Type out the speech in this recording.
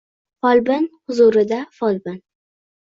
Folbin huzurida, folbin